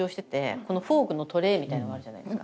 フォークのトレイみたいなのがあるじゃないですか